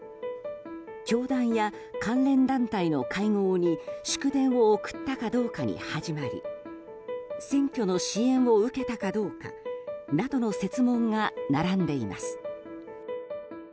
教団や関連団体の会合に祝電を送ったかどうかに始まり選挙の支援を受けたかどうかなどの設問が並んでいます。